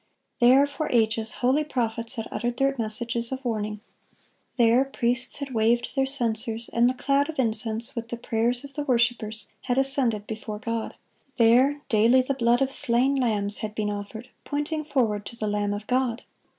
(7) There, for ages, holy prophets had uttered their messages of warning. There, priests had waved their censers, and the cloud of incense, with the prayers of the worshipers, had ascended before God. There, daily the blood of slain lambs had been offered, pointing forward to the Lamb of God.